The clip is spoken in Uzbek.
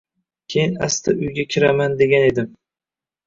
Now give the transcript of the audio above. Keyin asta uyga kiraman degan edim